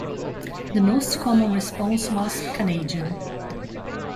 The most common response was "Canadian".